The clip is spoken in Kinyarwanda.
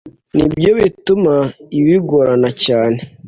nibyo bituma ibi bigora cyane